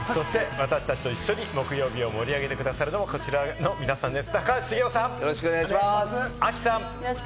そして私たちと一緒に木曜日を盛り上げてくださるのは、こちらの皆さんです。